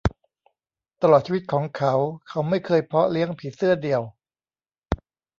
ตลอดชีวิตของเขา เขาไม่เคยเพาะเลี้ยงผีเสื้อเดี่ยว